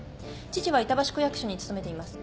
父は板橋区役所に勤めています。